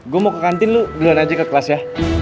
gue mau ke kantin lu keluaran aja ke kelas ya